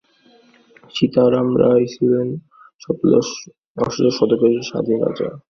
সীতারাম রায় ছিলেন সপ্তদশ-অষ্টাদশ শতকের স্বাধীন রাজা।